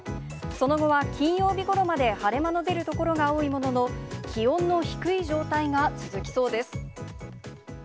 その後は金曜日ごろまで晴れ間の出る所が多いものの、気温の低い状態が続きそうです。